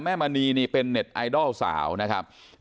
มณีนี่เป็นเน็ตไอดอลสาวนะครับ